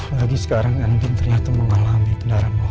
lagi sekarang andin ternyata mengalami kendaraan otak